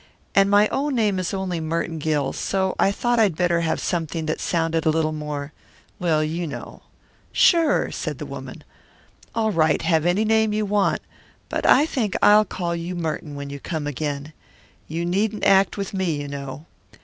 And my own right name is only Merton Gill, so I thought I'd better have something that sounded a little more well, you know." "Sure!" said the woman. "All right, have any name you want; but I think I'll call you Merton when you come again. You needn't act with me, you know.